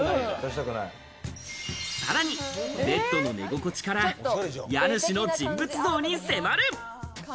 さらにベッドの寝心地から、家主の人物像に迫る。